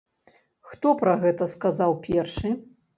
Хто пра гэта сказаў першы?